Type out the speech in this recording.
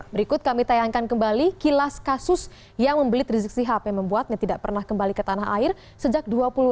berikut kami tayangkan kembali kilas kasus yang membelit rizik sihab yang membuatnya tidak pernah kembali ke tanah air sejak dua puluh enam april dua ribu tujuh belas lalu